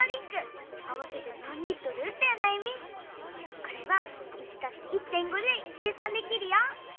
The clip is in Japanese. これは「１＋１．５」で計算できるよ。